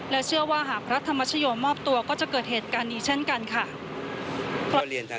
เชื่อว่าหากพระธรรมชโยมอบตัวก็จะเกิดเหตุการณ์นี้เช่นกันค่ะ